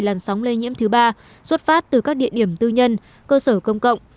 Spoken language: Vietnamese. làn sóng lây nhiễm thứ ba xuất phát từ các địa điểm tư nhân cơ sở công cộng